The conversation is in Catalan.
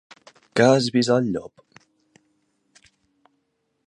Que has vist el llop?